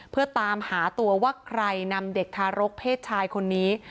เพื่อตามหาตัวว่าใครนำเด็กทารกเพศชายคนนี้